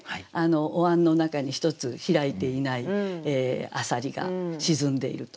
おわんの中にひとつ開いていない浅蜊が沈んでいると。